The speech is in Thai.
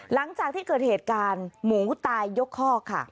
หลังจากที่เกิดเหตุการณ์หมูตายยกคอกค่ะ